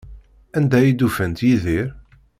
Anda ay d-ufant Yidir?